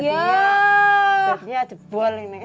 jadi ada jebol ini